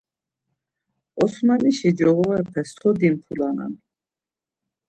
Osmanişi coğorepe so dimpulanen?